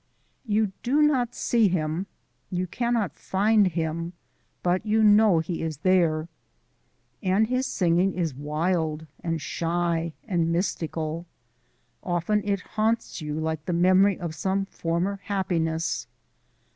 You do not see him; you cannot find him; but you know he is there. And his singing is wild, and shy, and mystical. Often it haunts you like the memory of some former happiness.